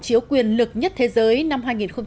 hộ chiếu quyền lực nhất thế giới năm hai nghìn một mươi tám